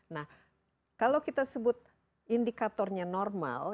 nah kalau kita sebut indikatornya normal